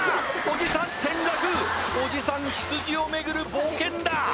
おじさん転落おじさん羊をめぐる冒険だ